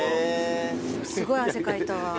すごい汗かいたわ。